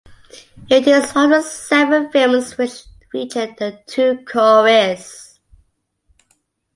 It is one of seven films which featured The Two Coreys.